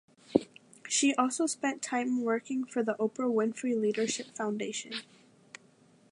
She also spent time working for the Oprah Winfrey Leadership Foundation.